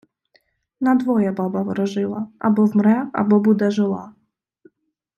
Надвоє баба ворожила: або вмре, або буде жила.